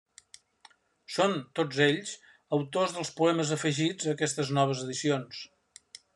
Són, tots ells, autors dels poemes afegits a aquestes noves edicions.